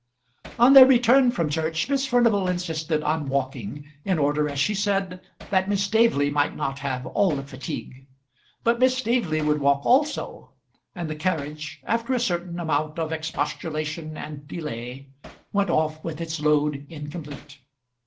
On their return from church, Miss Furnival insisted on walking, in order, as she said, that Miss Staveley might not have all the fatigue; but Miss Staveley would walk also, and the carriage, after a certain amount of expostulation and delay, went off with its load incomplete.